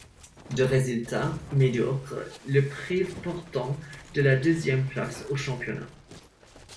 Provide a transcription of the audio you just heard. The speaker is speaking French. Deux résultats médiocres le privent pourtant de la deuxième place au championnat.